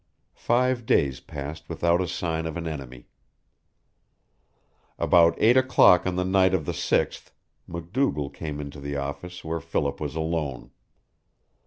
Five days passed without a sign of an enemy. About eight o'clock on the night of the sixth MacDougall came into the office, where Philip was alone.